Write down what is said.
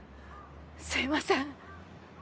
すいません。